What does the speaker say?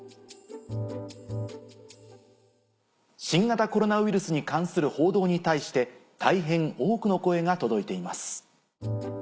新型コロナウイルスに関する報道に対して大変多くの声が届いています。